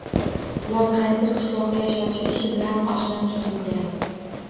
Ular qaysidir qishloqda yashovchi kishi bilan oshno tutingan